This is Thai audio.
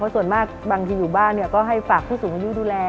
ส่วนมากบางทีอยู่บ้านก็ให้ฝากผู้สูงอายุดูแล